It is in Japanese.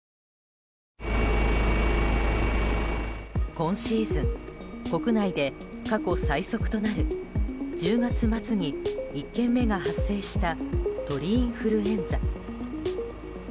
今シーズン国内で過去最速となる１０月末に１件目が発生した鳥インフルエンザ。